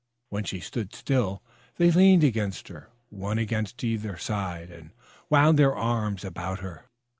When she stood still they leaned against her, one against either side, and wound their arms about her.